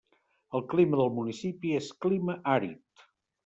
El clima del municipi és clima àrid.